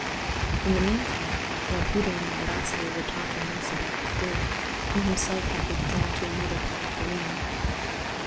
In the mean time, while Peter and the embassador were talking thus about Le Fort, he himself had withdrawn to another part of the room.